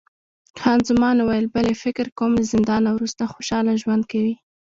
خان زمان وویل، بلی، فکر کوم له زندانه وروسته خوشحاله ژوند کوي.